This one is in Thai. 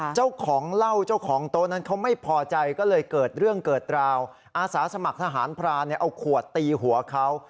เจ้าของเหล้าเจ้าของโต๊ะนั้นเขาไม่พอใจก็เลยเกิดเรื่องเกิดราวอาสาสมัครทหารพรานเอาขวดตีหัวเขา